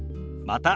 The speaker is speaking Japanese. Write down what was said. また。